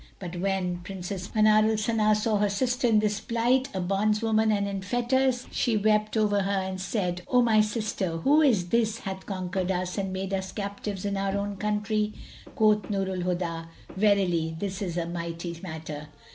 But, when Princess Manar al Sana saw her sister in this plight, a bondswoman and in fetters, she wept over her and said, "O my sister, who is this hath conquered us and made us captives in our own country?" Quoth Nur al Huda, "Verily, this is a mighty matter.